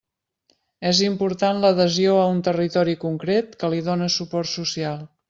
És important l'adhesió a un territori concret que li done suport social.